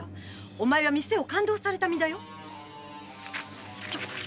お前は店を勘当された身だよ？